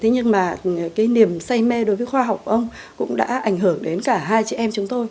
nhưng mà cái niềm say mê đối với khoa học ông cũng đã ảnh hưởng đến cả hai chị em chúng tôi